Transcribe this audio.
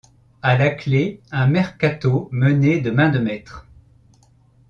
À la clé, un mercato mené de main de maître.